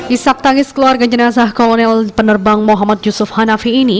isak tangis keluarga jenazah kolonel penerbang muhammad yusuf hanafi ini